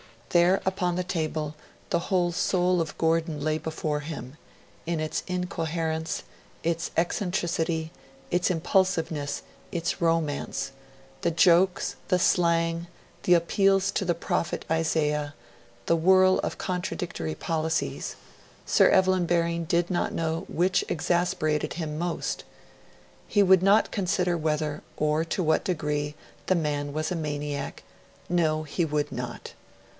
There upon the table, the whole soul of Gordon lay before him in its incoherence, its eccentricity, its impulsiveness, its romance; the jokes, the slang, the appeals to the prophet Isaiah, the whirl of contradictory policies Sir Evelyn Baring did not know which exasperated him most. He would not consider whether, or to what degree, the man was a maniac; no, he would not.